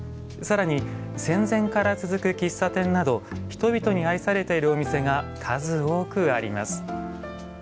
更に戦前から続く喫茶店など人々に愛されているお店が数多くあります。